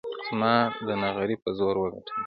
زما د نعرې په زور وګټله.